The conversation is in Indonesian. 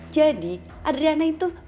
jadi adriana itu